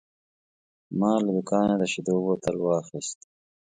ما له دوکانه د شیدو بوتل واخیست.